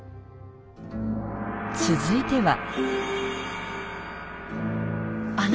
続いては。